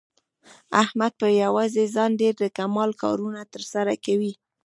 احمد په یووازې ځان ډېر د کمال کارونه تر سره کوي.